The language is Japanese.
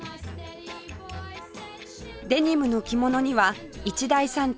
デニムの着物には一大産地